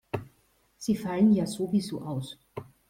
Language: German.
Sie fallen ja sowieso aus.